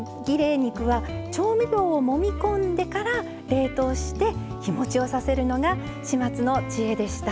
肉は調味料をもみ込んでから冷凍して、日もちをさせるのが始末の知恵でした。